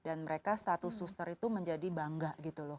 dan mereka status suster itu menjadi bangga gitu loh